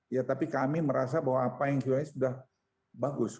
ya tapi kami merasa bahwa apa yang sudah kita lakukan sudah bagus